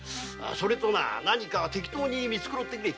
それとな何か適当にみつくろってくれ。